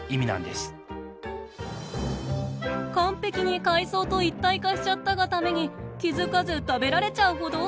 完璧に海藻と一体化しちゃったがために気付かず食べられちゃうほど。